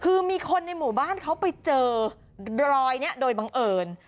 คือมีคนในหมู่บ้านเขาไปเจอรอยนี้โดยบังเอิญ